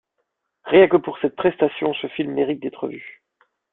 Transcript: Rien que pour cette prestation ce film mérite d'être revu.